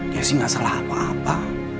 jessy gak salah apa apa